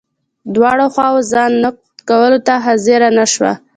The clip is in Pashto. دواړو خواوو ځان نقد کولو ته حاضره نه شوه.